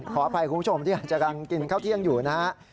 ขออภัยคุณผู้ชมที่อาจจะกำลังกินข้าวเที่ยงอยู่นะฮะ